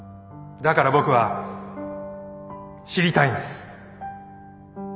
だから僕は知りたいんです